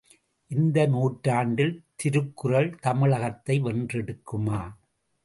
இந்த நூற்றாண்டில் திருக்குறள் தமிழகத்தை வென்றெடுக்குமா?